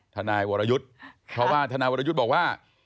ทนายวรยุทธ์เพราะว่าทนายวรยุทธ์บอกว่า